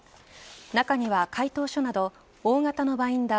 中には回答書など大型のバインダー